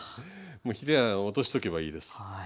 もうヒレは落としとけばいいです。